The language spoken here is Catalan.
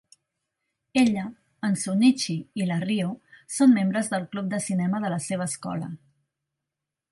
Ella, en Shunichi i la Riho són membres del club de cinema de la seva escola.